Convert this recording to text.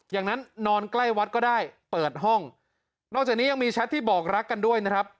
นอนใกล้วัดก็ได้เปิดห้องนอกจากนี้ยังมีแชทที่บอกรักกันด้วยนะครับ